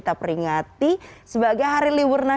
tanda kebesaran buka